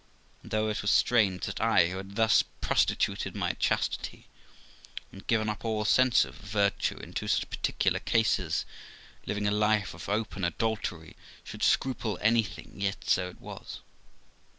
And, though it was strange that I, who had thus prostituted my chastity and given up all sense of virtue in two such particular cases, living a life of open adultery, should scruple anything, yet so it was.